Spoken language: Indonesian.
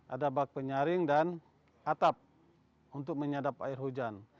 ada bak penyaring dan atap untuk menyadap air hujan